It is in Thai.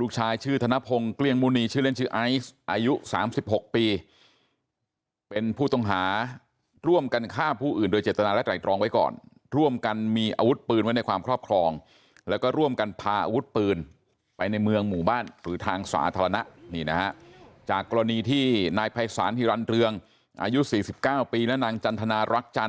ลูกชายชื่อธนพงศ์เกลี้ยงมุณีชื่อเล่นชื่อไอซ์อายุ๓๖ปีเป็นผู้ต้องหาร่วมกันฆ่าผู้อื่นโดยเจตนาและไรตรองไว้ก่อนร่วมกันมีอาวุธปืนไว้ในความครอบครองแล้วก็ร่วมกันพาอาวุธปืนไปในเมืองหมู่บ้านหรือทางสาธารณะนี่นะฮะจากกรณีที่นายภัยศาลฮิรันเรืองอายุ๔๙ปีและนางจันทนารักจันท